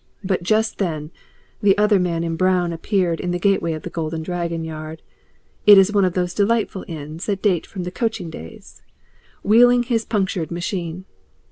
But just then the other man in brown appeared in the gateway of the Golden Dragon yard it is one of those delightful inns that date from the coaching days wheeling his punctured machine.